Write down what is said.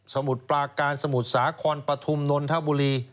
มุดปลาการสมุทรสาครปฐุมนนทบุรี